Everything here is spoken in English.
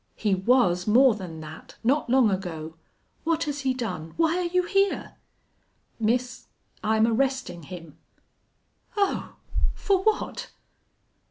He was more than that not long ago.... What has he done? Why are you here?" "Miss, I'm arrestin' him." "Oh!... For what?"